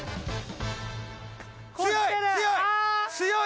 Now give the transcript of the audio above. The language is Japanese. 強い！